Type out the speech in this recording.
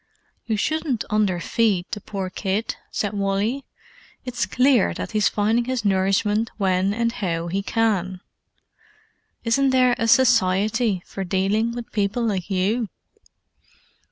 "You shouldn't underfeed the poor kid," said Wally. "It's clear that he's finding his nourishment when and how he can. Isn't there a Society for dealing with people like you?"